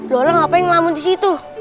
loh lah ngapain ngelamun di situ